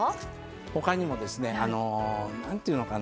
他にもですね何ていうのかな